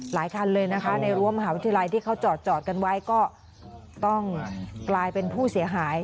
คันเลยนะคะในรั้วมหาวิทยาลัยที่เขาจอดกันไว้ก็ต้องกลายเป็นผู้เสียหาย